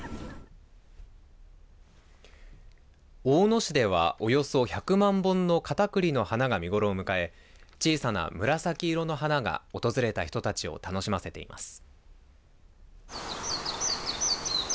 大野市では、およそ１００万本のカタクリの花が見頃を迎え小さな紫色の花が訪れた人たちを楽しませています。